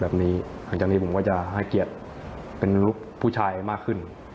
หลังจากนี้ผมก็จะให้เกียรติเป็นลูกผู้ชายมากขึ้น